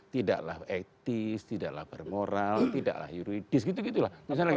tidaklah etis tidaklah bermoral tidaklah yuridis gitu gitu lah